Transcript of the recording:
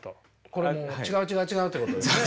これもう違う違う違うってことですね。